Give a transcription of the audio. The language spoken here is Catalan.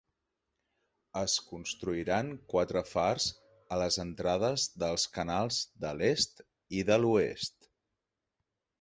Es construiran quatre fars a les entrades dels canals de l'est i de l'oest.